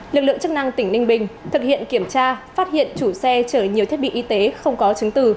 lực lượng chức năng tỉnh ninh bình thực hiện kiểm tra phát hiện chủ xe chở nhiều thiết bị y tế không có chứng từ